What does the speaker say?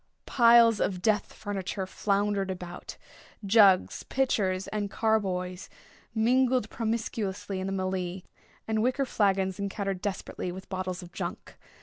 Piles of death furniture floundered about. Jugs, pitchers, and carboys mingled promiscuously in the mêlée, and wicker flagons encountered desperately with bottles of junk.